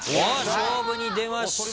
勝負に出ました。